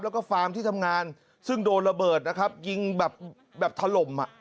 แล้วก็ฟาร์มที่ทำงานซึ่งโดนระเบิดนะครับยิงแบบถล่มอ่ะ